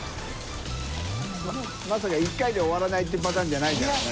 まさか１回で終わらないっていうパターンじゃないだろうね？